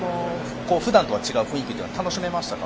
普段とは違う雰囲気では楽しめましたか？